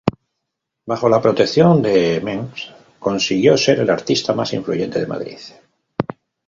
Bajo la protección de Mengs, consiguió ser el artista más influyente de Madrid.